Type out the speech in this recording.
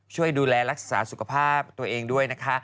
ช่วยดูแลรักษาสุขภาพตัวเองด้วยนะคะ